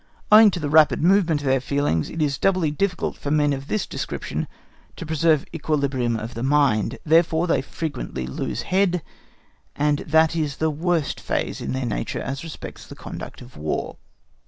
Owing to the rapid movement of their feelings, it is doubly difficult for men of this description to preserve equilibrium of the mind; therefore they frequently lose head, and that is the worst phase in their nature as respects the conduct of War.